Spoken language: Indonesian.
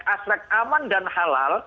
aspek aman dan halal